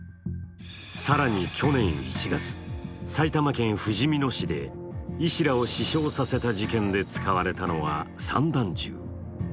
更に去年１月、埼玉県ふじみ野市で医師らを死傷させた事件で使われたのは散弾銃。